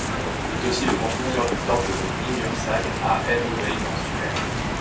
Il est aussi le constructeur du temple de Ninhursag à El-Obeïd, en Sumer.